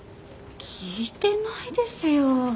聞いてないですよ。